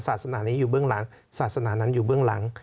ศาสนานี้อยู่เบื้องหลังศาสนานั้นอยู่เบื้องหลัง